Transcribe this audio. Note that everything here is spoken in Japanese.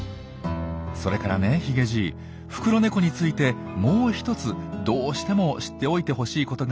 それからねヒゲじいフクロネコについてもう一つどうしても知っておいてほしいことがあるんですよ。